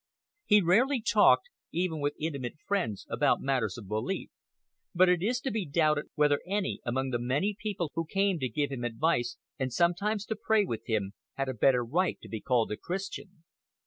He rarely talked, even with intimate friends, about matters of belief, but it is to be doubted whether any among the many people who came to give him advice and sometimes to pray with him, had a better right to be called a Christian.